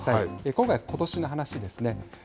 今回、ことしの話ですね。